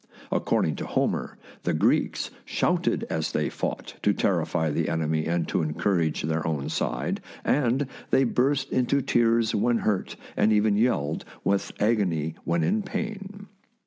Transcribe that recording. According to Homer, the Greeks shouted as they fought, to terrify the en emy and to encourage their own side, and they burst into tears when hurt, and even yelled with agony when in pain.